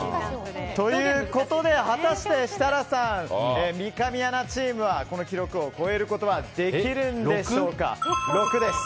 ということで果たして設楽さん、三上アナチームはこの記録を超えることはできるんでしょうか。